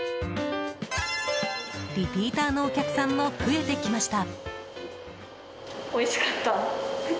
リピーターのお客さんも増えてきました。